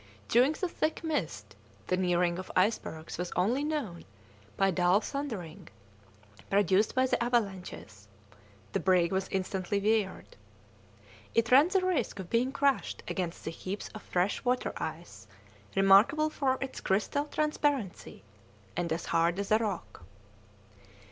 During the thick mist the nearing of icebergs was only known by dull thundering produced by the avalanches; the brig was instantly veered; it ran the risk of being crushed against the heaps of fresh water ice, remarkable for its crystal transparency, and as hard as a rock.